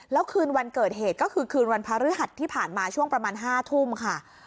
แล้วคืนวันเกิดเหตุก็คือคืนวันพระฤหัสที่ผ่านมาช่วงประมาณ๕ทุ่มค่ะ